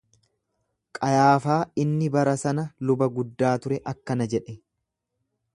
Qayaafaa inni bara sana luba guddaa ture akkana jedhe.